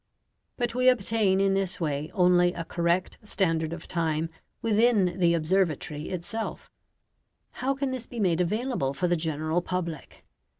But we obtain in this way only a correct standard of time within the observatory itself. How can this be made available for the general public?